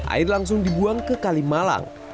air langsung dibuang ke kalimalang